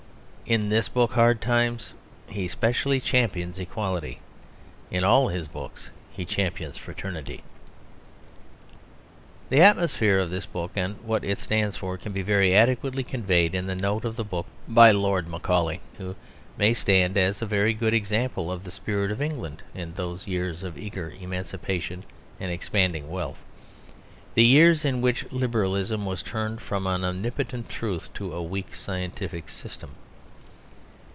In this book, Hard Times, he specially champions equality. In all his books he champions fraternity. The atmosphere of this book and what it stands for can be very adequately conveyed in the note on the book by Lord Macaulay, who may stand as a very good example of the spirit of England in those years of eager emancipation and expanding wealth the years in which Liberalism was turned from an omnipotent truth to a weak scientific system.